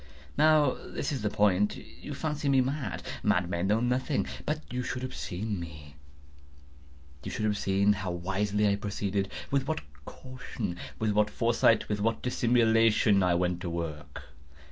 Now this is the point. You fancy me mad. Madmen know nothing. But you should have seen me. You should have seen how wisely I proceeded—with what caution—with what foresight—with what dissimulation I went to work!